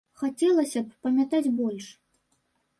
Хацелася б памятаць больш.